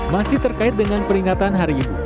masih terkait dengan peringatan hari ibu